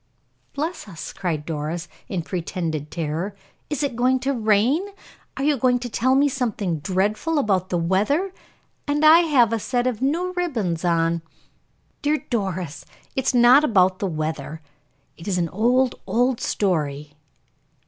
"Bless us!" cried Doris, in pretended terror. "Is it going to rain? Are you going to tell me something dreadful about the weather, and I have a set of new ribbons on!" "Dear Doris, it is not about the weather; it is an old, old story."